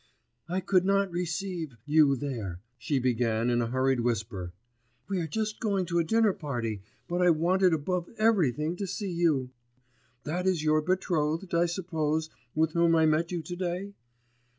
'I could not receive ... you there,' she began in a hurried whisper: 'we are just going to a dinner party, but I wanted above everything to see you.... That is your betrothed, I suppose, with whom I met you to day?